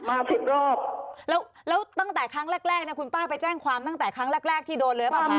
มาถึงรอบแล้วแล้วตั้งแต่ครั้งแรกแรกเนี่ยคุณป้าไปแจ้งความตั้งแต่ครั้งแรกแรกที่โดนเลยหรือเปล่าคะ